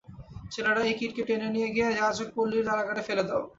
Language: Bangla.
ছেলেরা, এই কীটকে টেনে নিয়ে গিয়ে যাজকপল্লীর কারাগারে ফেলে দাও।